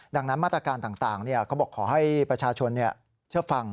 ดังนั้นมาตรการต่างเขาบอกขอให้ประชาชนเชื่อฟัง